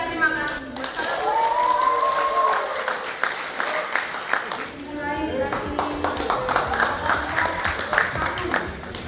assalamualaikum warahmatullahi wabarakatuh